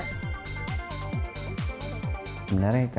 bagaimana cara mencari teknologi ar